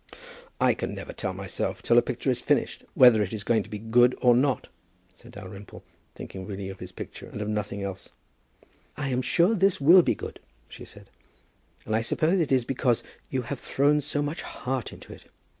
"I never can tell myself till a picture is finished whether it is going to be good or not," said Dalrymple, thinking really of his picture and of nothing else. "I am sure this will be good," she said, "and I suppose it is because you have thrown so much heart into it.